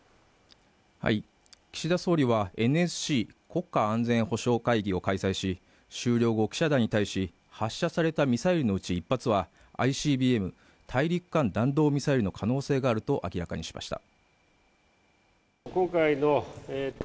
岸田総理はＮＳＣ＝国家安全保障会議を開催し終了後記者団に対し発射されたミサイルのうち１発はＩＣＢＭ＝大陸間弾道ミサイルの可能性があると明らかにしました